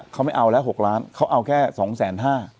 เขาไม่เอาแล้ว๖ล้านเขาเอาแค่๒๕๐๐บาท